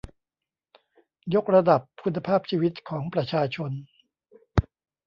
ยกระดับคุณภาพชีวิตของประชาชน